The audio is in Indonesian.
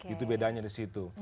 itu bedanya di situ